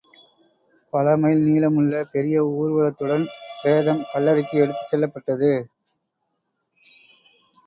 பல மைல் நீளமுள்ள பெரிய ஊர்வலத்துடன் பிரேதம் கல்லறைக்கு எடுத்துச் செல்வப்பட்டது.